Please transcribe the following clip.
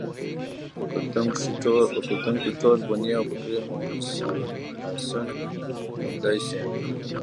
پۀ کلتم کښې ټول فني او فکري محاسن موندے شي